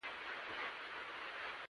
لمسی د قرآن تلاوت زده کوي.